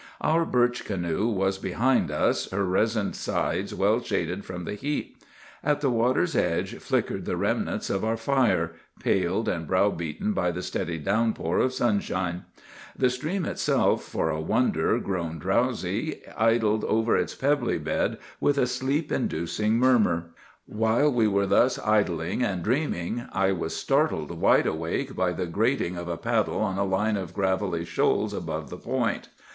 "Our birch canoe was behind us, her resined sides well shaded from the heat. At the water's edge flickered the remnants of our fire, paled and browbeaten by the steady downpour of sunshine. The stream itself, for a wonder grown drowsy, idled over its pebbly bed with a sleep inducing murmur. "While we were thus half idling and dreaming, I was startled wide awake by the grating of a paddle on a line of gravelly shoals above the point.